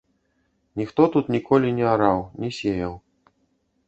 Ніхто тут ніколі не араў, не сеяў.